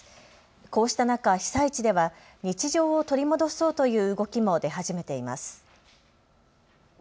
こうした中、被災地では日常を取り戻そうという動きも出始めています。